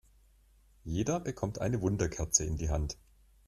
Jeder bekommt eine Wunderkerze in die Hand.